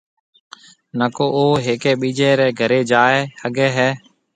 نڪو او ھيَََڪيَ ٻِيجيَ رَي گھرَي جائيَ ھگيَ ھيََََ